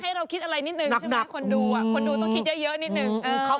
ถ้าเราคิดอะไรนิดนึงคนดูอ่ะคนดูต้องคิดเยอะนิดนึง